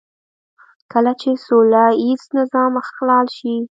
کله چې سوله ييز نظم اخلال شي.